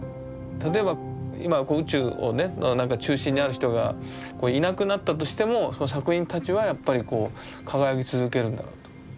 例えば今宇宙をねのなんか中心にある人がいなくなったとしてもその作品たちはやっぱりこう輝き続けるんだろうと。